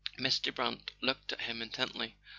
Mr. Brant looked at him intently.